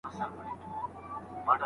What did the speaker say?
خواړه د روغ ژوند بنسټ دی.